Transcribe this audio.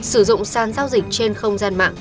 sử dụng sàn giao dịch trên không gian mạng